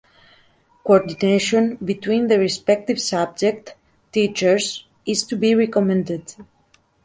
Coordination between the respective subject teachers is to be recommended.